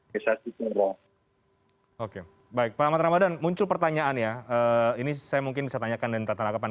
misasi teror baik pak ramadan muncul pertanyaan ya ini saya mungkin bisa tanyakan tentang kapan